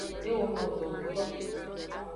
E wono do ngto.